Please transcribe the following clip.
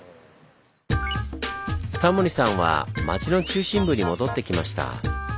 タモリさんは町の中心部に戻ってきました。